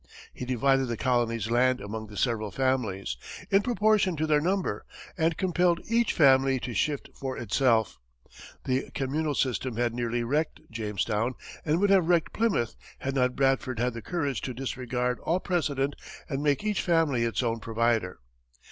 He divided the colony's land among the several families, in proportion to their number, and compelled each family to shift for itself. The communal system had nearly wrecked Jamestown and would have wrecked Plymouth had not Bradford had the courage to disregard all precedent and make each family its own provider.